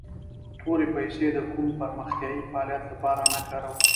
تورې پیسي د کوم پرمختیایي فعالیت لپاره نه کارول کیږي.